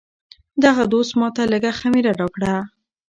دغه دوست ماته لږه خمیره راکړه.